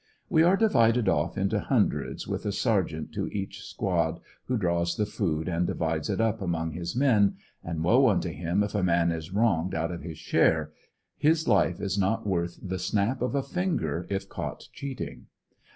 We are divided off into hundreds with a sergeant to e:ich squad who draws the food and divides it up among his men, and woe unto him if a man is wronged out of his share — his life is not worth the snap of the finer if caught cheating.